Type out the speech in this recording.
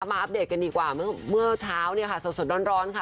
อัปเดตกันดีกว่าเมื่อเช้าเนี่ยค่ะสดร้อนค่ะ